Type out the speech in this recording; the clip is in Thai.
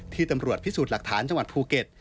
ตำรวจพิสูจน์หลักฐานจังหวัดภูเก็ต